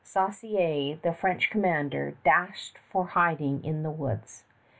Saussaye, the French commander, dashed for hiding in the woods.